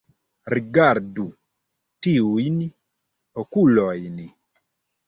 Rigardu tiujn okulojn